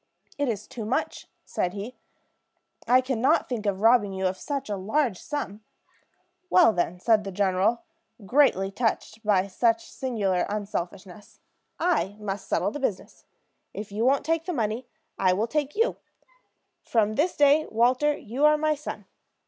"It is too much," said he; "I can not think of robbing you of such a large sum." "Well, then," said the general, greatly touched by such singular unselfishness, "I must settle the business. If you won't take the money, I will take you. From this day, Walter, you are my son.